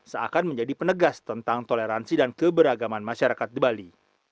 seakan menjadi penegas tentang toleransi dan keberagaman masyarakat di bali